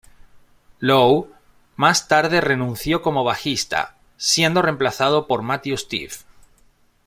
Lowe más tarde renunció como bajista, siendo reemplazado por Matthew Stiff.